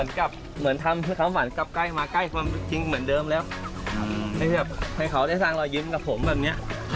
และทำให้เขาได้สร้างรอยยิ้มกับผมแบบนี้